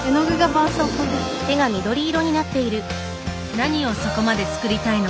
何をそこまで作りたいのか。